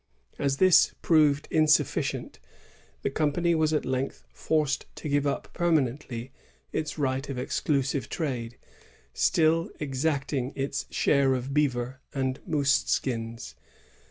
^ As this proved insufficient, the company was at length forced to give up permanently its right of exclusive trade, still exacting its share of beaver and moose skins.